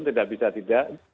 tidak bisa tidak